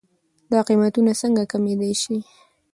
دا قيمتونه څنکه کمېدلی شي؟